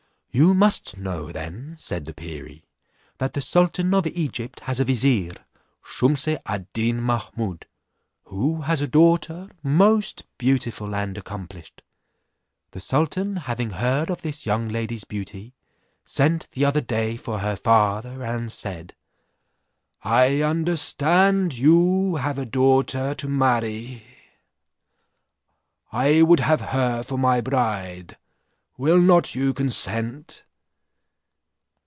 "You must know then," said the perie, "that the sultan of Egypt has a vizier, Shumse ad Deen Mahummud, who has a daughter most beautiful and accomplished. The sultan having heard of this young lady's beauty, sent the other day for her father, and said, 'I understand you have a daughter to marry; I would have her for my bride: will not you consent?'